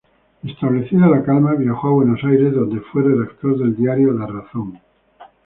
Restablecida la calma, viajó a Buenos Aires, donde fue redactor del diario "La Razón".